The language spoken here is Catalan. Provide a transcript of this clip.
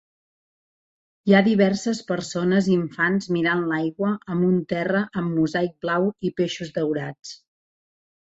Hi ha diverses persones i infants mirant l'aigua amb un terra amb mosaic blau i peixos daurats.